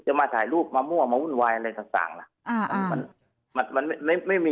มาถ่ายรูปมะม่วงมาวุ่นวายอะไรต่างล่ะ